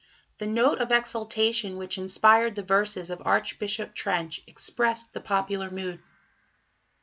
The note of exultation which inspired the verses of Archbishop Trench expressed the popular mood.